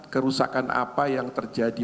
kerusakan apa yang terjadi